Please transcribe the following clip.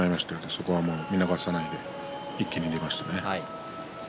そこを見逃さないように一気に出ましたね。